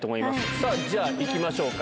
さあ、じゃあいきましょうか。